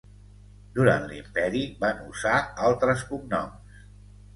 Durant l'Imperi van usar altres cognoms.